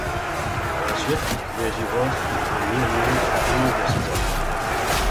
Par la suite, Crazy Horse accompagne Neil Young sur onze de ses albums.